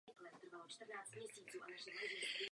V něm po pádu na vodním příkopu doběhla devátá.